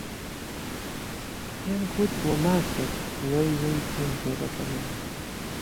پێم کوت بۆ ماچێک وەی وەی پێم پێ دەکەنێ